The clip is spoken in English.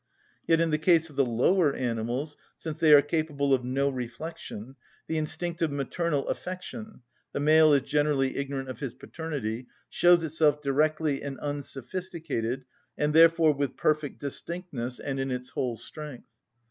Yet in the case of the lower animals, since they are capable of no reflection, the instinctive maternal affection (the male is generally ignorant of his paternity) shows itself directly and unsophisticated, and therefore with perfect distinctness and in its whole strength.